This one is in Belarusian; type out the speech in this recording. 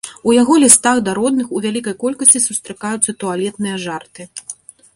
У яго лістах да родных у вялікай колькасці сустракаюцца туалетныя жарты.